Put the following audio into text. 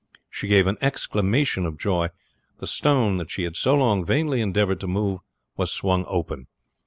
She gave an exclamation of joy the stone that she had so long vainly endeavored to move was swung open.